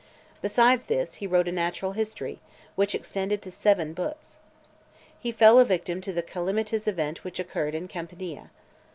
Besides this, he wrote a Natural History, which extended to seven books. He fell a victim to the calamitous event which occurred in Campania.